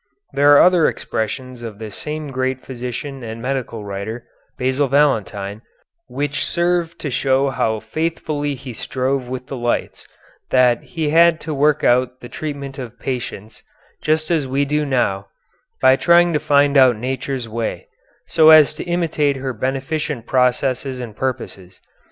There are other expressions of this same great physician and medical writer, Basil Valentine, which serve to show how faithfully he strove with the lights that he had to work out the treatment of patients, just as we do now, by trying to find out nature's way, so as to imitate her beneficent processes and purposes.